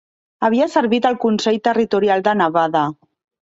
Havia servit al Consell Territorial de Nevada.